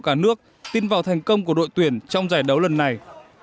cả nước tin vào thành công của đội tuyển trong giải đấu lần này